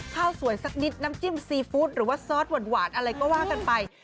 ข้าวสวยสักนิดน้ำจิ้มซีฟู้ดหรือว่าซอสหวานอะไรก็ว่ากันไป